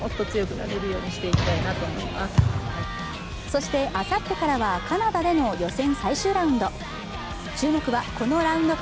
そしてあさってからはカナダでの予選最終ラウンド。